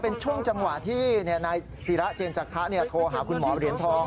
เป็นช่วงจังหวะที่นายศิระเจนจักคะโทรหาคุณหมอเหรียญทอง